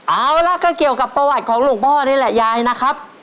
เอาล่ะก็เกี่ยวกับประวัติของหลวงพ่อนี่แหละยายนะครับ